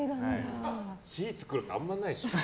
シーツで黒、あまりないでしょ。